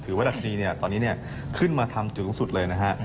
ถือว่ารักษณีย์ตอนนี้ขึ้นมาทำจุดลงสุดเลยนะฮะ